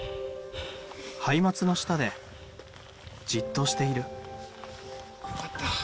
ハイマツの下でじっとしている。